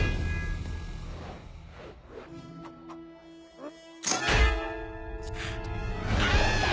あっ！